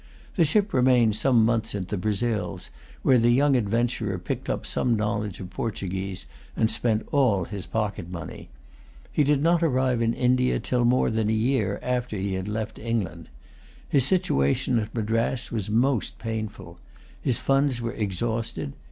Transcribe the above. The ship remained some months at the Brazils, where the young adventurer picked up some knowledge of Portuguese, and spent all his pocket money. He did not arrive in India till more than a year after he had left England. His situation at Madras was most painful. His funds were exhausted.